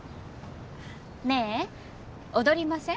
ねえ踊りません？